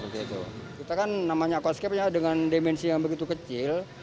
kita kan namanya aquascape dengan dimensi yang begitu kecil